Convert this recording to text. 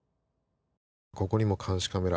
ここにも監視カメラ。